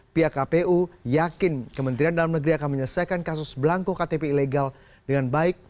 pihak kpu yakin kementerian dalam negeri akan menyelesaikan kasus belangko ktp ilegal dengan baik